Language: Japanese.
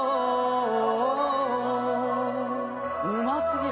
うますぎる！